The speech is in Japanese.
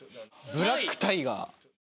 ブラックタイガー。